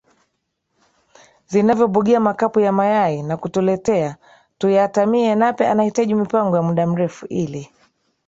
zinavyobugia makapu ya mayai na kutuletea tuyaatamie Nape anahitaji mipango ya muda mrefu ili